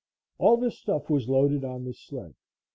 ] All this stuff was loaded on the sled.